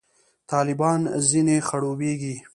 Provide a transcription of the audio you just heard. طالبان ځنې خړوبېږي.